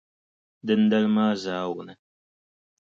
Dindali maa zaawuni,